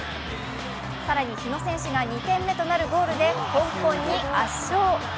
さらに日野選手が２点目となるゴールで香港に圧勝。